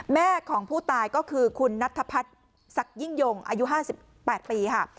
แม่ของผู้ตายก็คือคุณนัทพัฒน์ศักดิ์ยิ่งยงอายุ๕๘ปีค่ะ